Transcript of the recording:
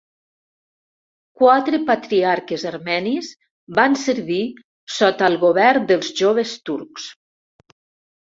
Quatre patriarques armenis van servir sota el govern dels Joves Turcs.